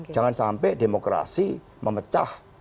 jangan sampai demokrasi memecah